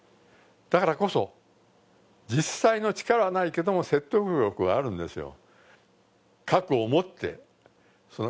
だからこそ実際の力はないけれども、説得力はあるんですよ。